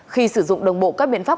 khi sử dụng đồng bộ các biện pháp